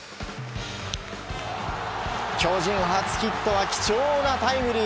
巨人初ヒットは貴重なタイムリー。